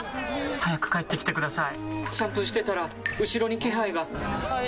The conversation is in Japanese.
早く帰ってきてください！